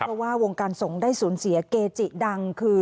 เพราะว่าวงการสงฆ์ได้สูญเสียเกจิดังคือ